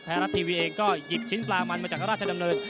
ไทยรัฐทีวีเองก็หยิบชิ้นปลามันมาจากราชดำเนิน